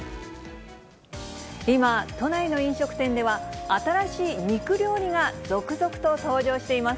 今、都内の飲食店では、新しい肉料理が続々と登場しています。